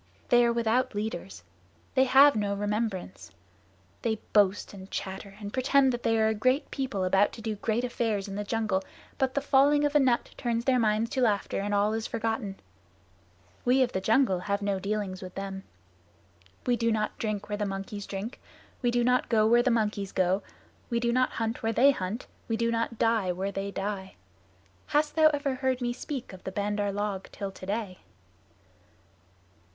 They are without leaders. They have no remembrance. They boast and chatter and pretend that they are a great people about to do great affairs in the jungle, but the falling of a nut turns their minds to laughter and all is forgotten. We of the jungle have no dealings with them. We do not drink where the monkeys drink; we do not go where the monkeys go; we do not hunt where they hunt; we do not die where they die. Hast thou ever heard me speak of the Bandar log till today?"